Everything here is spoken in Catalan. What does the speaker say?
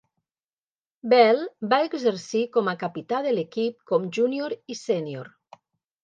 Bell va exercir com a capità de l'equip com júnior i sénior.